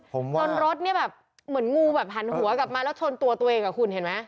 จนรถเนี่ยแบบเหมือนงูแบบหันหัวกลับมาแล้วชนตัวตัวเองอ่ะคุณเห็นไหม